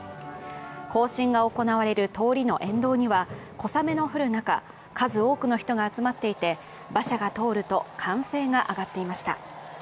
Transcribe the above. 行進が行われるとおりの沿道には小雨の降る中、数多くの人が集まっていて、馬車が通ると、歓声が上がっていました。